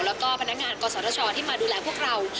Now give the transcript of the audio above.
แล้วก็พนักงานกศชที่มาดูแลพวกเรา